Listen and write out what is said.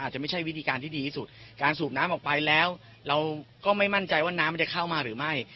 จะไม่ใช่วิธีการที่ดีที่สุดการสูบน้ำออกไปแล้วเราก็ไม่มั่นใจว่าน้ำมันจะเข้ามาหรือไม่